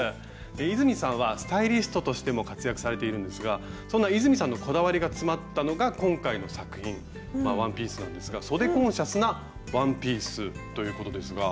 泉さんはスタイリストとしても活躍されているんですがそんな泉さんのこだわりが詰まったのが今回の作品ワンピースなんですが「そでコンシャスなワンピース」ということですが。